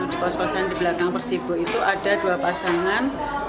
di pos posan di belakang persiwo itu ada dua pasangan